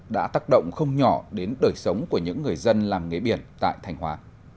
đã tác động không nhỏ đến đời sống của những người dân làm nghề biển tại thành hóa